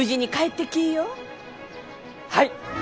はい！